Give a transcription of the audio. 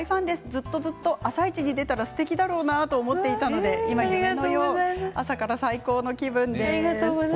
ずっとずっと「あさイチ」に出たらすてきだろうなと思っていたので朝から最高の気分です。